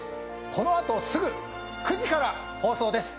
この後すぐ９時から放送です。